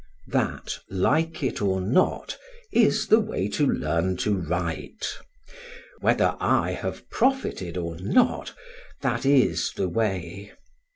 That, like it or not, is the way to learn to write; whether I have profited or not, that is the way.